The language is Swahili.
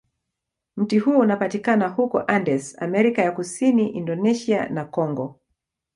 Mti huo unapatikana huko Andes, Amerika ya Kusini, Indonesia, na Kongo.